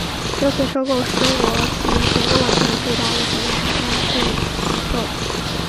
这次收购是中国企业成功完成的最大一笔海外并购。